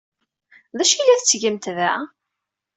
D acu ay la tettgemt da?